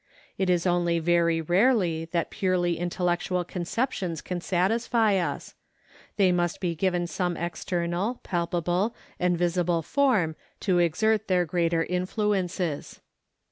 It is only very rarely that purely intellectual conceptions can satisfy us; they must be given some external, palpable and visible form to exert their greater influences.